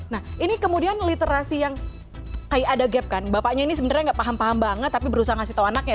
nah ini kemudian literasi yang kayak ada gap kan bapaknya ini sebenarnya nggak paham paham banget tapi berusaha ngasih tahu anaknya